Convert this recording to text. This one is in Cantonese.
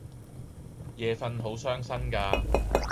夜訓好傷身架